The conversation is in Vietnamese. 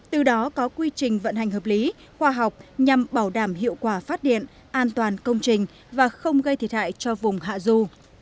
từ đó có quy trình vận hành hợp lý khoa học nhằm bảo đảm hiệu quả phát điện an toàn công trình và không gây thiệt hại cho vùng hạ du